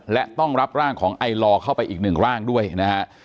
และต้องรับร่างของไอลอเข้าไปอีกหนึ่งร่างด้วยนะฮะ